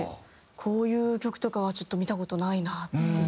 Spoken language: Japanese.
こういう曲とかはちょっと見た事ないなっていう。